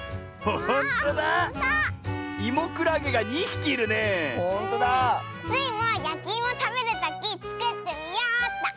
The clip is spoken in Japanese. スイもやきいもたべるときつくってみようっと！